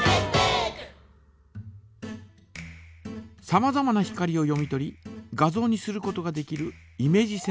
さまざまな光を読み取り画像にすることができる